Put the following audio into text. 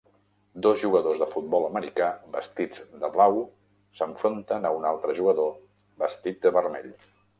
Dos jugadors de futbol americà vestits de blau s'enfronten a un altre jugador vestit de vermell.